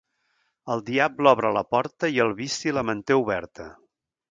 El diable obre la porta i el vici la manté oberta.